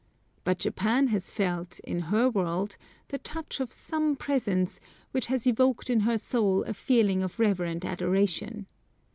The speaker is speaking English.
But Japan has felt, in her world, the touch of some presence, which has evoked in her soul a feeling of reverent adoration.